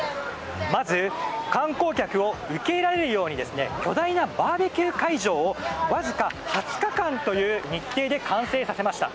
まず観光客を受け入れられるように巨大なバーベキュー会場をわずか２０日間という日程で完成させました。